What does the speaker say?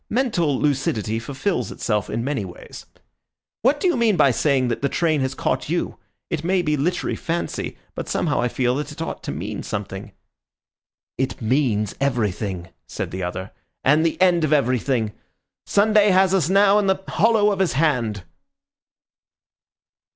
Mental lucidity fulfils itself in many ways. What do you mean by saying that the train has caught you? It may be my literary fancy, but somehow I feel that it ought to mean something." "It means everything," said the other, "and the end of everything. Sunday has us now in the hollow of his hand."